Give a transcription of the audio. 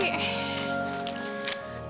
kayak gini kan maksudmu